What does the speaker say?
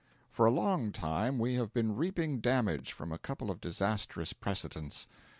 For a long time we have been reaping damage from a couple of disastrous precedents.